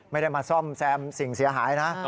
ไม่ได้มาซ่อมแซมสิ่งเสียหายนะ